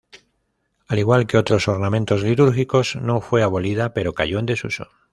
Al igual que otros ornamentos litúrgicos no fue abolida, pero cayó en desuso.